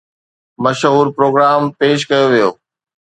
مشهور پروگرام پيش ڪيو ويو